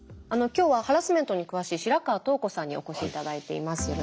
今日はハラスメントに詳しい白河桃子さんにお越し頂いています。